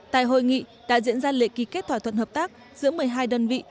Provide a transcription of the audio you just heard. tại hội nghị đã diễn ra lễ ký kết thỏa thuận hợp tác giữa một mươi hai đơn vị